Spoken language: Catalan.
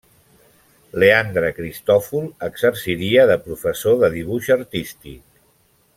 Leandre Cristòfol exerciria de professor de dibuix artístic.